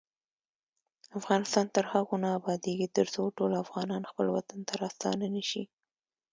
افغانستان تر هغو نه ابادیږي، ترڅو ټول افغانان خپل وطن ته راستانه نشي.